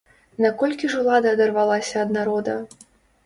Наколькі ж улада адарвалася ад народа!